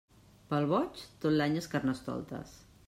Pel boig, tot l'any és Carnestoltes.